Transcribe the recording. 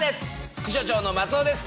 副所長の松尾です。